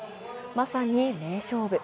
まさに名勝負。